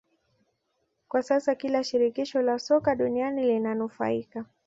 Kwa sasa kila shirikisho la soka duniani linanufaika